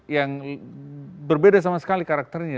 yang berbeda sama sekali karakternya